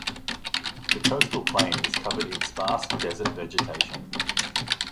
The coastal plain is covered in sparse desert vegetation.